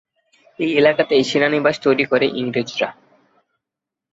এই এলাকাতেই সেনানিবাস তৈরি করে ইংরেজরা।